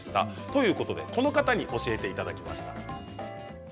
ということで、この方に教えていただきました。